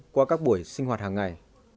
qua các buổi sinh hoạt hàng ngày